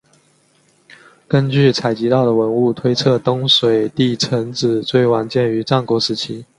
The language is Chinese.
根据采集到的文物推测东水地城址最晚建于战国时期。